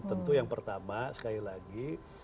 tentu yang pertama sekali lagi